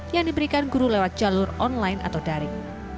yang diberikan guru lewat jalur online atau daring